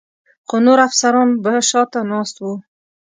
څو نور افسران به شا ته ناست ول.